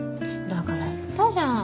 だから言ったじゃん